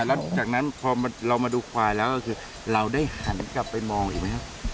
แล้วจากนั้นพอเรามาดูควายแล้วก็คือเราได้หันกลับไปมองอีกไหมครับ